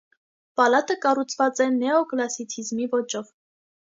Պալատը կառուցված է նեոկլասիցիզմի ոճով։